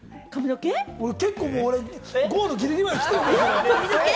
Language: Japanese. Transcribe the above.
結構、ゴールのギリギリまで来てるよ。